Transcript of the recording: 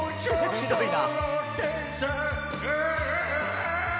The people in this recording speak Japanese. ひどいな。